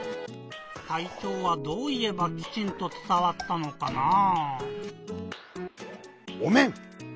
たいちょうはどういえばきちんとつたわったのかなぁ？